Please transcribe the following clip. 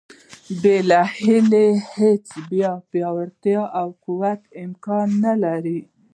بې له هیلو څخه بیا پیاوړتیا او قوت امکان نه لري.